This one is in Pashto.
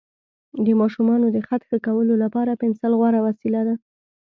د ماشومانو د خط ښه کولو لپاره پنسل غوره وسیله ده.